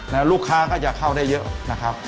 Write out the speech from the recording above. แล้วลูกค้าก็จะเข้าได้เยอะนะครับ